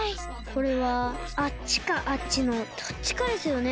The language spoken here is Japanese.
これはあっちかあっちのどっちかですよね。